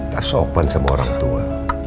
naskapan semua orang tua